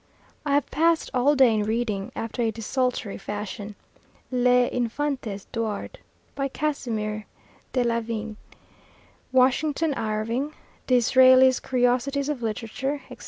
I have passed all day in reading, after a desultory fashion, "Les Enfants d'Edouard," by Casimir Delavigne, Washington Irving, D'Israeli's "Curiosities of Literature," etc.